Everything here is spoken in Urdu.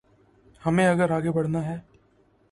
ہمیں اگر آگے بڑھنا ہے۔